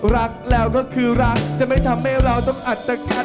รักแล้วก็คือรักจะไม่ทำให้เราต้องอัตภัณฑ